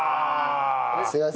すいません。